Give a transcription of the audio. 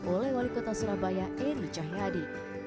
oleh wali kota surabaya eri cahyadi